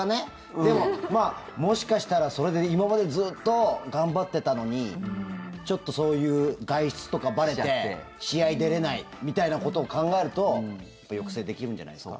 でももしかしたら、それで今までずっと頑張ってたのにそういう外出とか、ばれて試合出れないみたいなことを考えると抑制できるんじゃないですか。